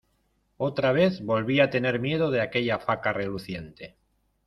otra vez volví a tener miedo de aquella faca reluciente.